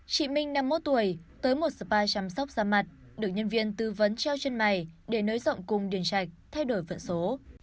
chị minh năm mươi một tuổi tới một spa chăm sóc da mặt được nhân viên tư vấn treo chân mày để nới rộng cùng đường sạch thay đổi vận số